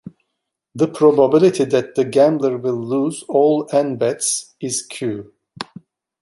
The probability that the gambler will lose all "n" bets is "q".